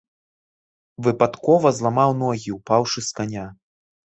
Выпадкова зламаў ногі, упаўшы з каня.